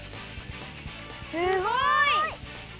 すごい！